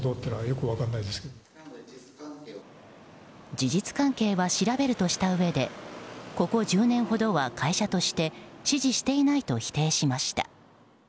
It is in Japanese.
事実関係は調べるとしたうえでここ１０年ほどは会社として指示していないと否定しました。